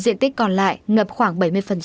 diện tích còn lại ngập khoảng bảy mươi